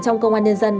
trong công an nhân dân